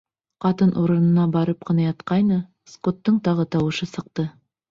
Ҡатын урынына барып ҡына ятҡайны, Скоттың тағы тауышы сыҡты.